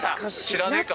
知らない？